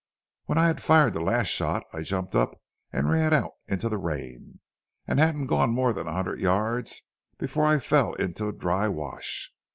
When I had fired the last shot I jumped up and ran out into the rain, and hadn't gone more than a hundred yards before I fell into a dry wash.